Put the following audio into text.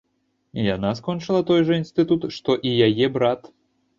Яна скончыла той жа інстытут, што і яе брат.